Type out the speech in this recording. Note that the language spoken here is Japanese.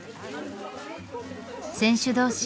選手同士